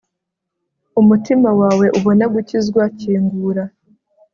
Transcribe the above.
umutima wawe ubone gukizwa kingura